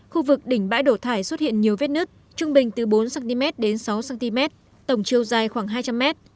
khu vực đỉnh bãi đổ thải xuất hiện nhiều vết nứt trung bình từ bốn cm đến sáu cm tổng chiều dài khoảng hai trăm linh m